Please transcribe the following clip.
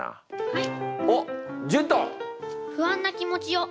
はい。